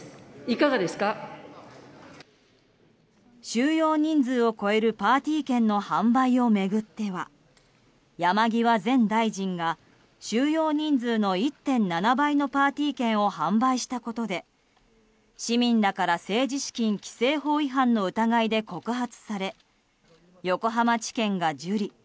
収容人数を超えるパーティー券の販売を巡っては山際前大臣が収容人数の１．７倍のパーティー券を販売したことで市民らから政治資金規正法違反の疑いで告発され横浜地検が受理。